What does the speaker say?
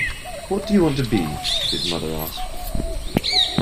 “What do you want to be?” his mother asked.